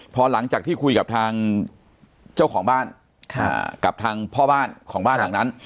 พอหลังจากที่คุยกับทางเจ้าของบ้านกับทางพ่อบ้านของบ้านหลังนั้น